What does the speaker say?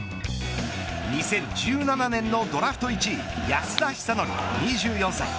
２０１７年のドラフト１位安田尚憲２４歳。